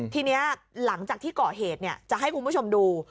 ทีนี้หลังจากที่ก่อเหตุจะให้คุณผู้ชมดู